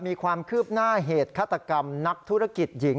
มีความคืบหน้าเหตุฆาตกรรมนักธุรกิจหญิง